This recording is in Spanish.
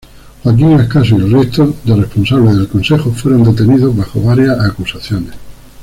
Joaquín Ascaso y el resto de responsables del Consejo fueron detenidos bajo varias acusaciones.